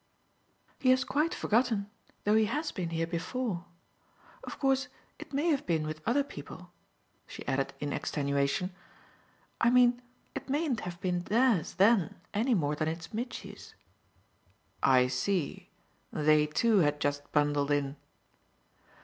"He has quite forgotten though he has been here before. Of course it may have been with other people," she added in extenuation. "I mean it mayn't have been theirs then any more than it's Mitchy's." "I see. They too had just bundled in."